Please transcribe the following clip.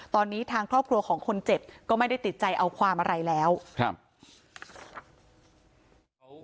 ตอนนี้ทางครอบครัวของคนเจ็บก็ไม่ได้ติดใจเอาความอะไรแล้วครับ